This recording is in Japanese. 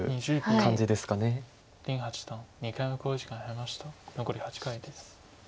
残り８回です。